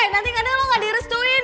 nanti kadang lo gak direstuin